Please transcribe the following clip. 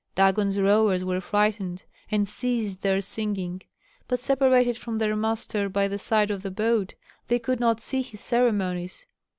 Dagon's rowers were frightened, and ceased their singing; but separated from their master by the side of the boat, they could not see his ceremonies.